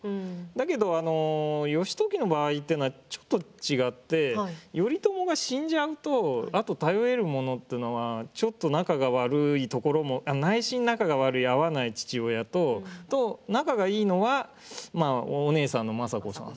だけどあの義時の場合ってのはちょっと違って頼朝が死んじゃうとあと頼れる者ってのはちょっと仲が悪いところも内心仲が悪い合わない父親と仲がいいのはお姉さんの政子さん。